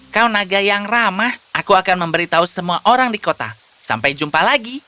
kau naga yang ramah aku akan memberitahu semua orang di kota sampai jumpa lagi